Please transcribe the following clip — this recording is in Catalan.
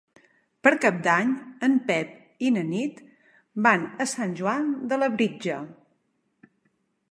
Per Cap d'Any en Pep i na Nit van a Sant Joan de Labritja.